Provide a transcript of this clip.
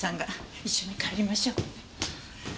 一緒に帰りましょう。